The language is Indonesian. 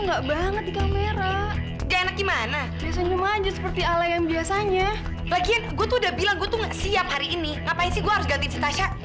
om mau nggak mau bikinin kopi